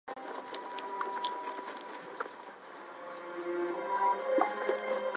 八剌本人在位五年后因受金帐汗攻打而死。